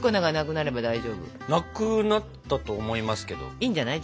いいんじゃない？